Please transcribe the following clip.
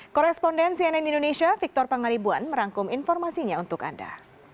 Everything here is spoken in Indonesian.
koresponden cnn indonesia victor pangaribuan merangkum informasinya untuk anda